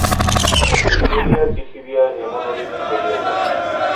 এই বলিয়া চিঠি দিয়া হেমনলিনী চলিয়া গেল।